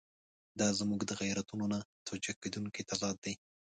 دا زموږ د غیرتونو نه توجیه کېدونکی تضاد دی.